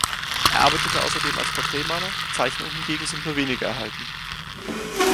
Er arbeitete außerdem als Porträtmaler, Zeichnungen hingegen sind nur wenige erhalten.